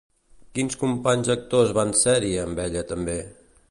Quins companys actors van ser-hi amb ella també?